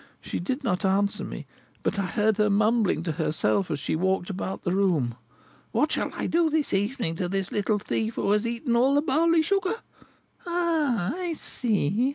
She did not answer me, but I heard her mumbling to herself, as she walked about the room, 'What shall I do this evening to this little thief, who has eaten all that barley sugar? Ah, I see!'